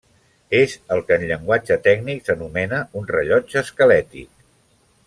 És el que en llenguatge tècnic s'anomena un rellotge esquelètic.